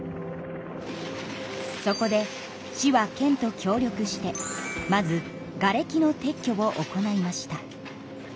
そこで市は県と協力してまずがれきの撤去を行いました。